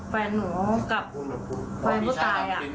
แฟนหนูกับแฟนผู้ตาย